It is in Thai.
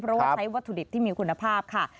เพราะว่าใช้วัตถุดิบที่มีคุณภาพค่ะ